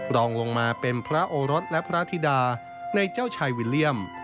รองลงมาเป็นพระโอรสและพระธิดาในเจ้าชายวิลเลี่ยม